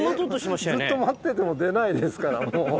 ずっと待ってても出ないですからもう。